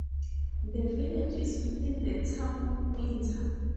The village is within the Town of Winter.